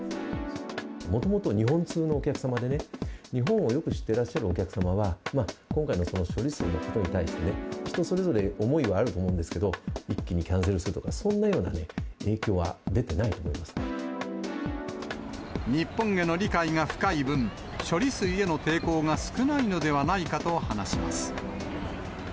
もともと日本通のお客様でね、日本をよく知ってらっしゃるお客様は、今回の処理水のことに対して、人それぞれ、思いはあると思うんですけど、一気にキャンセルするとか、そんなようなね、影響は出てない日本への理解が深い分、処理水への抵抗が少ないのではないかと話します。